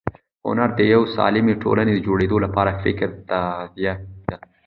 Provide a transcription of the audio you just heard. هنر د یوې سالمې ټولنې د جوړېدو لپاره فکري تغذیه ده.